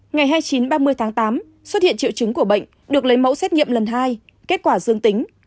ngày hai mươi chín ba mươi tháng tám xuất hiện triệu chứng của bệnh được lấy mẫu xét nghiệm lần hai kết quả dương tính